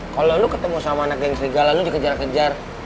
kalo lo ketemu sama anak geng serigala lo dikejar kejar